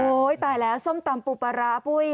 โอ้ยตายแล้วส้มตำปูประราบ